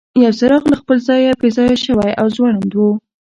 یو څراغ له خپل ځایه بې ځایه شوی او ځوړند و.